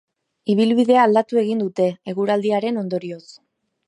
Ibilbidea aldatu egin dute, eguraldiaren ondorioz.